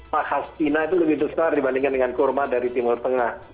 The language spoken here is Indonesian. pak hasina itu lebih besar dibandingkan dengan kurma dari timur tengah